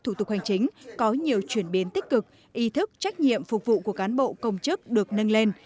thủ tục hành chính có nhiều chuyển biến tích cực ý thức trách nhiệm phục vụ của cán bộ công chức được nâng lên